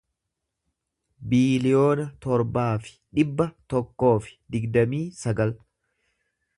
biiliyoona torbaa fi dhibba tokkoo fi digdamii sagal